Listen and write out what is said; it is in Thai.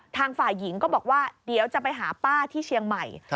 ทางฝ่ายหญิงก็บอกว่าเดี๋ยวจะไปหาป้าที่เชียงใหม่